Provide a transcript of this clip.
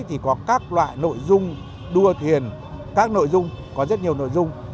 thì có các loại nội dung đua thuyền các nội dung có rất nhiều nội dung